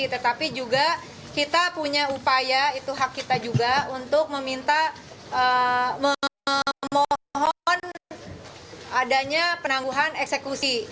tetapi juga kita punya upaya itu hak kita juga untuk meminta memohon adanya penangguhan eksekusi